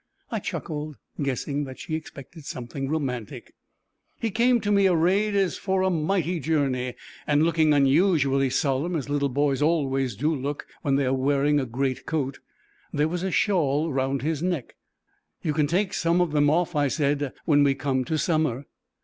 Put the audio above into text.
I chuckled, guessing that she expected something romantic. He came to me arrayed as for a mighty journey, and looking unusually solemn, as little boys always do look when they are wearing a great coat. There was a shawl round his neck. "You can take some of them off," I said, "when we come to summer."